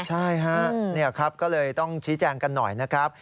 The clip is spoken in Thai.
ใช่ฮะนี่ครับก็เลยต้องชี้แจงกันหน่อยนะครับ